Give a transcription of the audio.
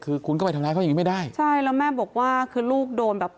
คือคุณก็ไปทำร้ายเขาอย่างงี้ไม่ได้ใช่แล้วแม่บอกว่าคือลูกโดนแบบ